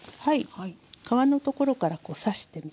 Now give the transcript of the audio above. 皮のところからこう刺してみてね